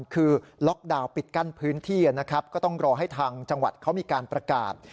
คือล็อกดาวน์ปิดกั้นพื้นที่นะครับก็ต้องรอให้ทางจังหวัดเขามีการประกาศ